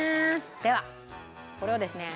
ではこれをですね